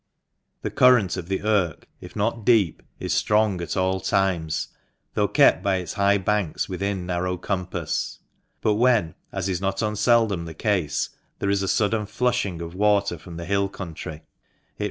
The current of the Irk, if not deep, is strong at all times, though kept by its high banks within narrow compass. But when, as is not unseldom the case, there is a sudden flushing of water from the hill country, it 4 THE MANCHESTER MAN.